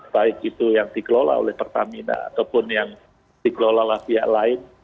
baik itu yang dikelola oleh pertamina ataupun yang dikelola oleh pihak lain